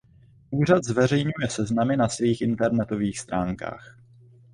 Úřad zveřejňuje seznamy na svých internetových stránkách.